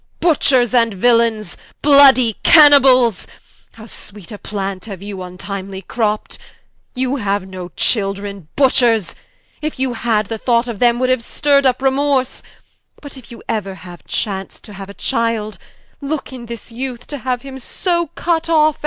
Butchers and Villaines, bloudy Caniballes, How sweet a Plant haue you vntimely cropt: You haue no children (Butchers) if you had, The thought of them would haue stirr'd vp remorse, But if you euer chance to haue a Childe, Looke in his youth to haue him so cut off.